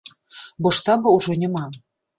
Бо штаба ўжо няма.